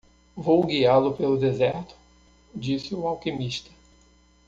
"Vou guiá-lo pelo deserto?", disse o alquimista.